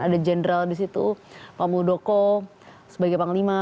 ada jenderal di situ pak muldoko sebagai panglima